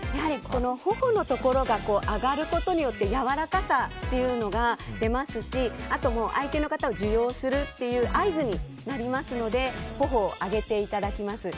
頬のところが上がることによってやわらかさが出ますし相手の方を受容するという合図になりますので頬を上げていただきます。